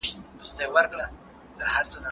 صنعتي سکتور څنګه د اقتصاد ملاتړ کوي؟